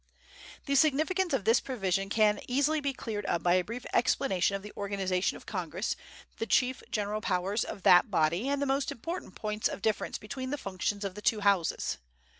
The significance of this provision can easily be cleared up by a brief explanation of the organization of Congress, the chief general powers of that body, and the most important points of difference between the functions of the two houses.